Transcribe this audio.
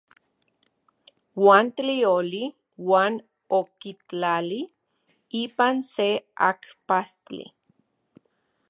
Uan tlioli uan okitlali ipan se ajpastli.